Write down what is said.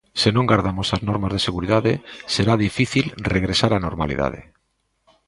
Se non gardamos as normas de seguridade, será difícil regresar á normalidade.